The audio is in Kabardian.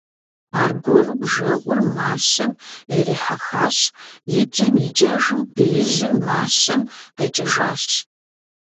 Аргуэру бжэгъур мащэм ирихьэхащ - и кӀэм и кӀэжым беижьыр мащэм къикӀыжащ.